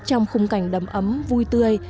trong khung cảnh đầm ấm vui tươi